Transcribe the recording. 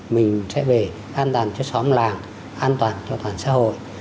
mình sẽ về an toàn cho xóm làng an toàn cho toàn xã hội